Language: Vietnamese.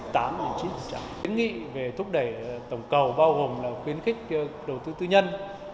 kiến nghị về thúc đẩy tổng cầu bao gồm là khuyến khích đầu tư tư nhân